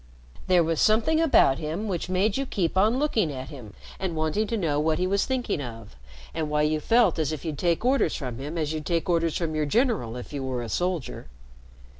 There was something about him which made you keep on looking at him, and wanting to know what he was thinking of, and why you felt as if you'd take orders from him as you'd take orders from your general, if you were a soldier.